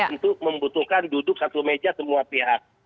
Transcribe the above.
untuk membutuhkan duduk satu meja semua pihak